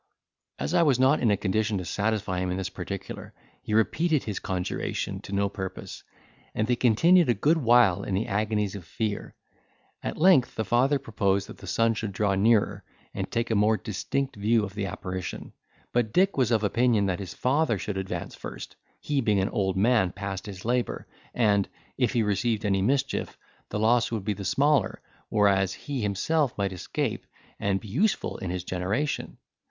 As I was not in a condition to satisfy him in this particular, he repeated his conjuration to no purpose, and they continued a good while in the agonies of fear. At length the father proposed that the son should draw nearer, and take a more distinct view of the apparition; but Dick was of opinion that his father should advance first, he being an old man past his labour and, if he received any mischief, the loss would be the smaller; whereas he himself might escape, and be useful, in his generation.